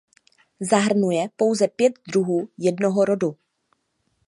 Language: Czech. Zahrnuje pouze pět druhů jednoho rodu.